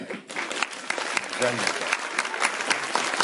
Güzel mekân.